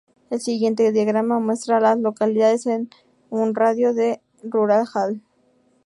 El siguiente diagrama muestra a las localidades en un radio de de Rural Hall.